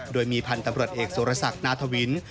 โดยมีพันธ์ตำรวจเอกสุรศักดิ์นาธวิน